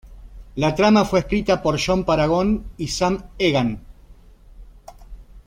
La trama fue escrita por John Paragon y Sam Egan.